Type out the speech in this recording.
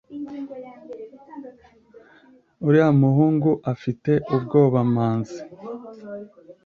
uriya muhungu afite ubwomanzi